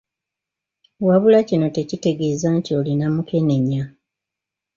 Wabula kino tekitegeeza nti olina mukenenya.